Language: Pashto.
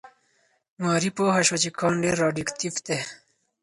ماري پوه شوه چې کان ډېر راډیواکټیف دی.